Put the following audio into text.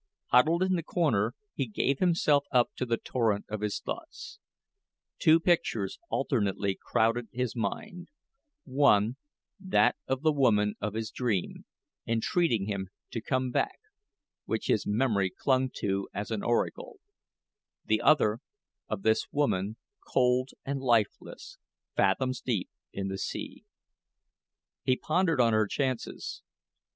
Huddled in a corner, he gave himself up to the torment of his thoughts. Two pictures alternately crowded his mind; one, that of the woman of his dream, entreating him to come back which his memory clung to as an oracle; the other, of this woman, cold and lifeless, fathoms deep in the sea. He pondered on her chances.